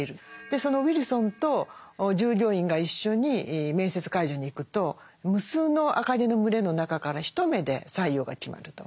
そのウィルソンと従業員が一緒に面接会場に行くと無数の赤毛の群れの中から一目で採用が決まると。